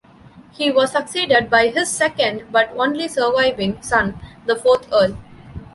He was succeeded by his second but only surviving son, the fourth Earl.